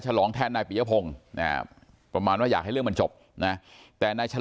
ฉลองแทนไหนปริยพงษ์เนี่ยประมาณว่าอยากให้เรื่องมันจบนะแต่นาย